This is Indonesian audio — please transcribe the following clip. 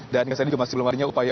dan yang saya dikemaskan sebelumnya